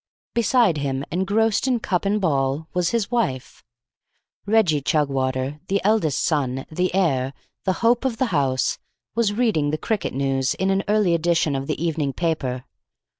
Beside him, engrossed in cup and ball, was his wife. Reggie Chugwater, the eldest son, the heir, the hope of the house, was reading the cricket news in an early edition of the evening paper.